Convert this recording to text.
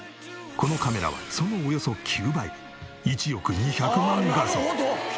このカメラはそのおよそ９倍１億２００万画素。